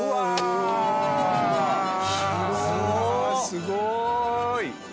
すごーい！